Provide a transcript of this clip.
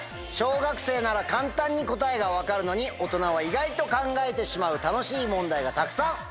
小学生なら簡単に答えが分かるのに大人は意外と考えてしまう楽しい問題がたくさん。